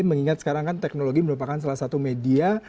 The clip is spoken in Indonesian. mengingat sekarang kan teknologi merupakan salah satu media